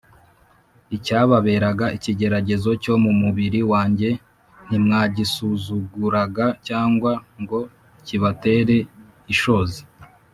Icyababeraga ikigeragezo cyo mu mubiri wanjye ntimwagisuzuguraga cyangwa ngo kibatere ishozi